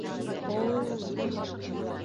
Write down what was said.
О-о-о-ү!